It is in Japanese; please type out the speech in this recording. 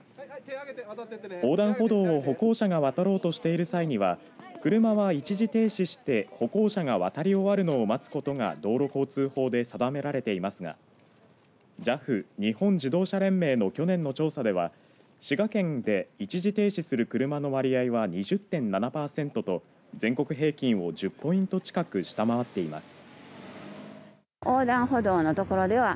横断歩道を歩行者が渡ろうとしている際には車は一時停止して歩行者が渡り終わるのを待つことが道路交通法で定められていますがＪＡＦ・日本自動車連盟の去年の調査では滋賀県で一時停止する車の割合は２０．７％と全国平均を１０ポイント近く下回っています。